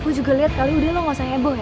aku juga lihat kali udah lo gak usah heboh ya